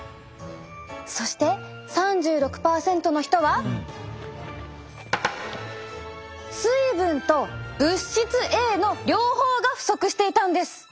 そして３６％の人は水分と物質Ａの両方が不足していたんです。